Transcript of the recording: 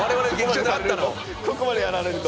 ここまでやられると？